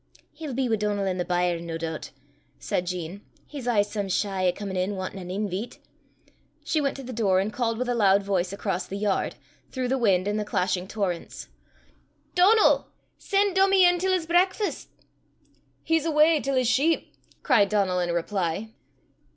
"He'll be wi' Donal i' the byre, nae doobt," said Jean: "he's aye some shy o' comin' in wantin' an inveet." She went to the door, and called with a loud voice across the yard, through the wind and the clashing torrents, "Donal, sen' Dummie in till 's brakfast." "He's awa till 's sheep," cried Donal in reply.